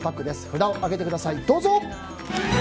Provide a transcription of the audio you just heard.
札を上げてください、どうぞ。